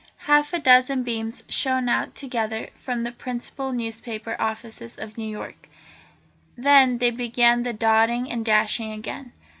Half a dozen beams shone out together from the principal newspaper offices of New York. Then simultaneously they began the dotting and dashing again.